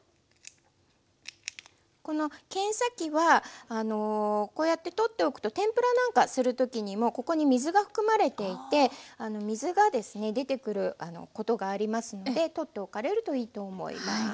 この剣先はこうやって取っておくと天ぷらなんかする時にもここに水が含まれていて水がですね出てくることがありますので取っておかれるといいと思います。